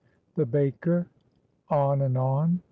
THE BAKER.—ON AND ON.